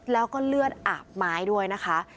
แล้วก็เลือดอาบไม้ด้วยนะคะ